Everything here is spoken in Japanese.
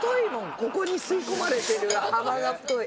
ここに吸い込まれてる幅が太い